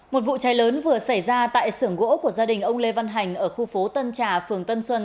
một vụ cháy lớn vừa xảy ra tại sưởng gỗ của gia đình ông lê văn hành ở khu phố tân trà phường tân xuân